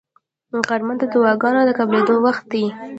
غرمه د دعاګانو د قبلېدو وخت وي